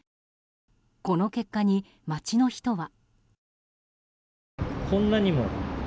この結果に、街の人は。